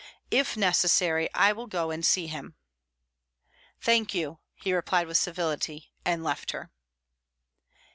"If necessary, I will go and see him." "Thank you," he replied with civility, and left her.